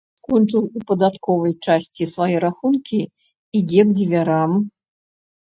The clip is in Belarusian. Скончыў у падатковай часці свае рахункі, ідзе к дзвярам.